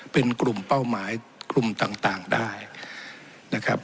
เป็นกลุ่มเป้าหมายกลุ่มต่างได้นะครับ